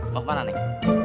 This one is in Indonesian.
mau kemana neng